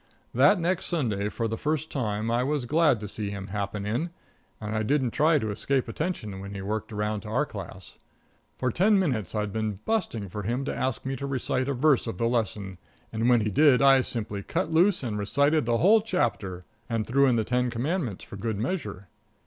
That next Sunday, for the first time, I was glad to see him happen in, and I didn't try to escape attention when he worked around to our class. For ten minutes I'd been busting for him to ask me to recite a verse of the lesson, and, when he did, I simply cut loose and recited the whole chapter and threw in the Ten Commandments for good measure.